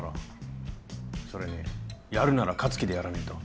それにやるなら勝つ気でやらねえと。